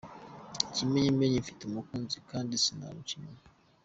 Ikimenyi menyi mfite umukunzi kandi sinamuca inyuma.